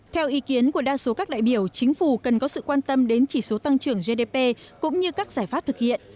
theo ý kiến của đa số các đại biểu chính phủ cần có sự quan tâm đến chỉ số tăng trưởng gdp cũng như các giải pháp thực hiện